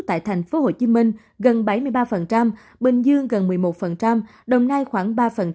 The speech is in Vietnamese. tại thành phố hồ chí minh gần bảy mươi ba bình dương gần một mươi một đồng nai khoảng ba